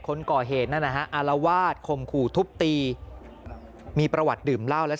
คนก่อเหตุนั่นนะฮะอารวาสคมขู่ทุบตีมีประวัติดื่มเหล้าและ